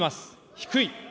低い。